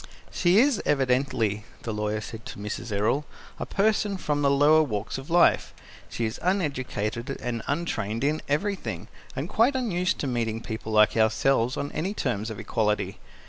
"She is evidently," the lawyer said to Mrs. Errol, "a person from the lower walks of life. She is uneducated and untrained in everything, and quite unused to meeting people like ourselves on any terms of equality.